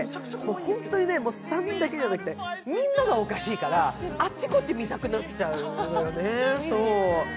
本当に３人だけじゃなくて、みんながおかしいから、あっちこち見たくなっちゃうんだよね。